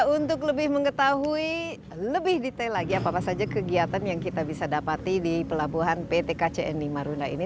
untuk lebih mengetahui lebih detail lagi apa apa saja kegiatan yang kita bisa dapati di pelabuhan pt kcn di marunda ini